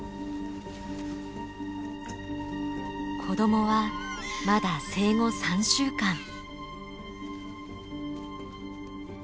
子供はまだ生後３週間。